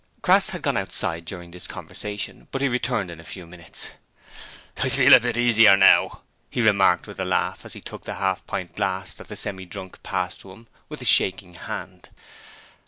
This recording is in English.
Crass had gone outside during this conversation, but he returned in a few minutes. 'I feel a bit easier now,' he remarked with a laugh as he took the half pint glass that the Semi drunk passed to him with a shaking hand.